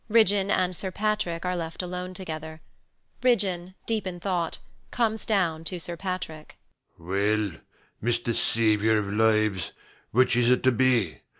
Ridgeon and Sir Patrick are left alone together. Ridgeon, deep in thought, comes down to Sir Patrick. SIR PATRICK. Well, Mr Savior of Lives: which is it to be?